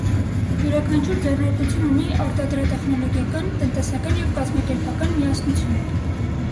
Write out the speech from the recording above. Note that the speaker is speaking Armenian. Յուրաքանչյուր ձեռնարկություն ունի արտադրատեխնոլոգիական, տնտեսական և կազմակերպական միասնություն։